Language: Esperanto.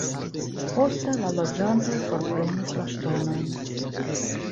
Poste la loĝantoj forprenis la ŝtonojn.